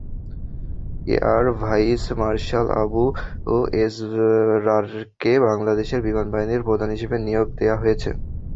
Air vice marshal Abu এসরারকে বাংলাদেশ বিমান বাহিনীর প্রধান হিসেবে নিয়োগ দেওয়া হয়েছে।